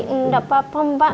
enggak apa apa mbak